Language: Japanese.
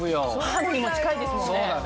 母の日も近いですもんね。